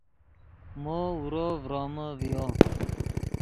مو اورو ڤرومے ڤیو